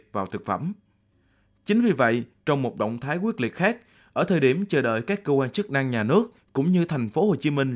vì vậy trong một động thái quyết liệt khác ở thời điểm chờ đợi các cơ quan chức năng nhà nước cũng như thành phố hồ chí minh